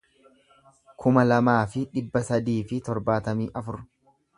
kuma lamaa fi dhibba sadii fi torbaatamii afur